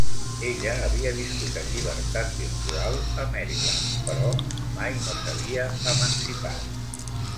Ella havia viscut en llibertat virtual a Maryland, però mai no s'havia emancipat.